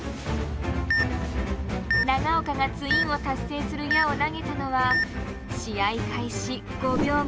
長岡がツインを達成する矢を投げたのは試合開始５秒後。